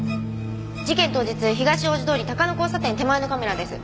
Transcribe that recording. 事件当日東大路通高野交差点手前のカメラです。